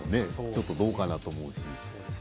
ちょっとどうかなとも思うし。